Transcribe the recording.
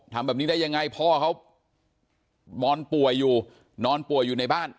ทำแบบนี้ได้ยังไงพ่อเขานอนป่วยอยู่นอนป่วยอยู่ในบ้าน